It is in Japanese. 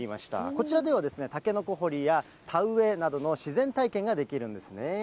こちらではタケノコ掘りや、田植えなどの自然体験ができるんですね。